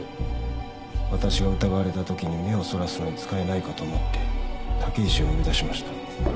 私が疑われた時に目をそらすのに使えないかと思って武石を呼び出しました。